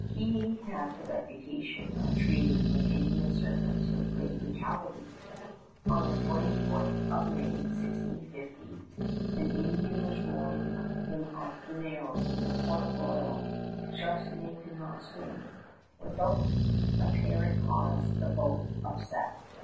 He had the reputation of treating his Indian servants with great brutality. On the 24th of May, 1650, an Indian was rowing him up the narrows near Port Royal. Charnisay could not swim. Without apparent cause the boat upset.